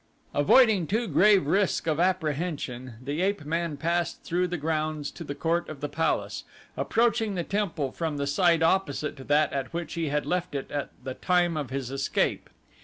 Avoiding too grave risk of apprehension the ape man passed through the grounds to the court of the palace, approaching the temple from the side opposite to that at which he had left it at the time of his escape.